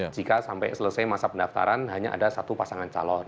jika sampai selesai masa pendaftaran hanya ada satu pasangan calon